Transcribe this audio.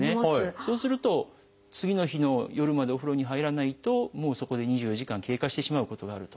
そうすると次の日の夜までお風呂に入らないともうそこで２４時間経過してしまうことがあると。